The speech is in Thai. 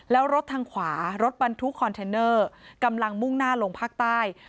แล้วรถทางขวารถบรรทุกคอนเทนเนอร์กำลังมุ่งหน้าลงภาคใต้